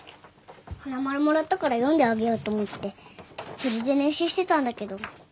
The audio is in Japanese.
花丸もらったから読んであげようと思ってそれで練習してたんだけど。